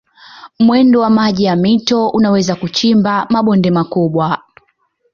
Mwendo wa maji ya mito unaweza kuchimba mabonde makubwa.